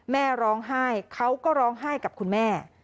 แม่ร้องไห้เขาก็ร้องไห้กับคุณแม่